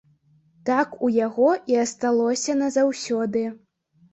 Так у яго і асталося назаўсёды.